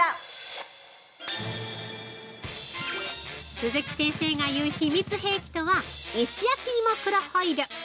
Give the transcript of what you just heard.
◆鈴木先生が言う秘密兵器とは「石焼きいも黒ホイル」。